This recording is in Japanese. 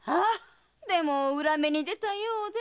でも裏目に出たようで。